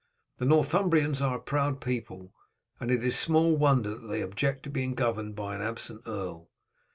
The Northumbrians are a proud people, and it is small wonder that they object to be governed by an absent earl.